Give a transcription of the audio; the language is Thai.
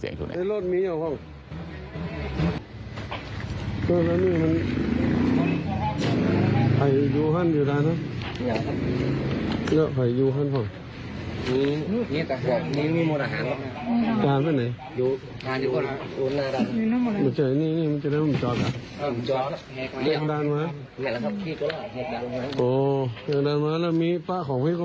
อยากเดินมาเนี่ยอ๋ออยากเดินมาแล้วมีปลาก็ให้เขามาเงิงร้อง